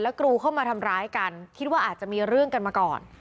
กรูเข้ามาทำร้ายกันคิดว่าอาจจะมีเรื่องกันมาก่อน